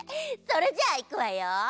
それじゃあいくわよ。